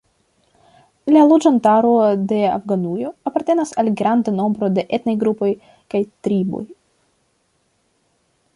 La loĝantaro de Afganujo apartenas al granda nombro de etnaj grupoj kaj triboj.